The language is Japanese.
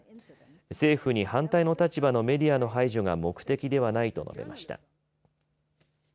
政府に反対の立場のメディアの排除が目的ではないと述べました。